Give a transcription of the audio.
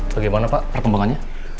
bagaimana pak perkembangannya